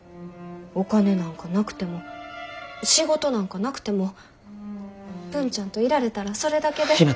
お金なんかなくても仕事なんかなくても文ちゃんといられたらそれだけで。